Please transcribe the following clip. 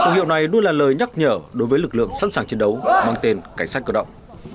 hiệu này luôn là lời nhắc nhở đối với lực lượng sẵn sàng chiến đấu mang tên cảnh sát cơ động